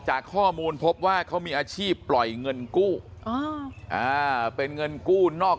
จากข้อมูลพบว่าเขามีอาชีพปล่อยเงินกู้อ๋ออ่าเป็นเงินกู้นอก